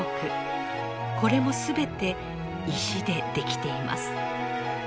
これも全て石で出来ています。